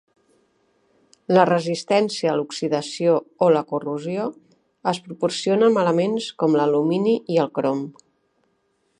La resistència a l'oxidació o la corrosió es proporciona amb elements com l'alumini i el crom.